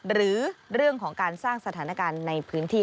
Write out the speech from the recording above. หรือเรื่องของการสร้างสถานการณ์ในพื้นที่